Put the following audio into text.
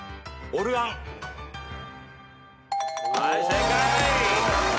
はい正解。